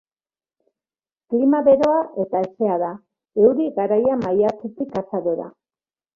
Klima beroa eta hezea da, euri garaia maiatzetik azarora.